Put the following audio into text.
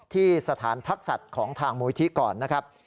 ที่สถานพักสัตว์ของทางมูลิธิก่อนนะครับ